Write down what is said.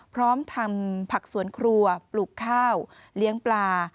พร้อมทำผักสวนครัวปลูกข้าวเลี้ยงปลา